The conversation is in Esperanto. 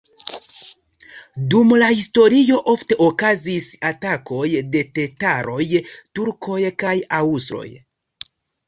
Dum la historio ofte okazis atakoj de tataroj, turkoj kaj aŭstroj.